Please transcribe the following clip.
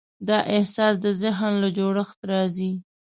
دا احساس د ذهن له جوړښت راځي.